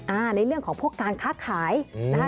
ในเรื่องของพวกการค้าขายนะคะ